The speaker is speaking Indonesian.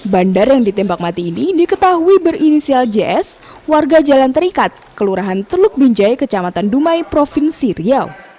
bandar yang ditembak mati ini diketahui berinisial js warga jalan terikat kelurahan teluk binjai kecamatan dumai provinsi riau